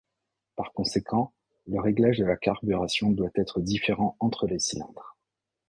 Par conséquent, le réglage de la carburation doit être différent entre les cylindres.